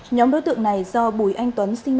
nhóm đối tượng này do bệnh nhân